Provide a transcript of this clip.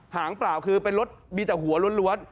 หางเปล่าคือเป็นรถมีแต่หัวล้วน